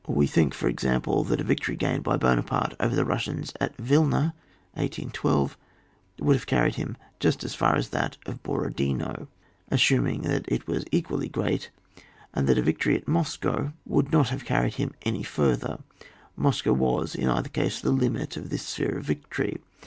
We think, for example, that a victory gained by Buonaparte over the Bussians at Wilna, 1812, would have carried him just as far as that of Borodino— assuming that it was equally great — ajid that a victory at Moscow would not have carried him any further ; Moscow was, in either case, the limit of this sphere of victory.